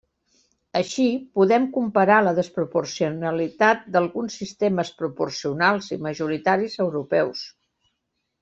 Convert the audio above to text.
Així, podem comparar la desproporcionalitat d'alguns sistemes proporcionals i majoritaris europeus.